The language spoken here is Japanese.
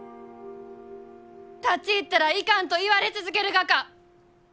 「立ち入ったらいかん」と言われ続けるがか？